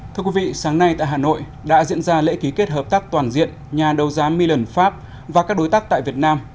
thưa quý vị sáng nay tại hà nội đã diễn ra lễ ký kết hợp tác toàn diện nhà đấu giá milan pháp và các đối tác tại việt nam